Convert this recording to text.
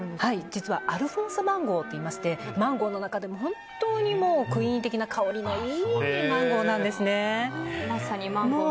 実はアルフォンソマンゴーといいましてマンゴーの中でもクイーン的な香りのいいマンゴーなんですね。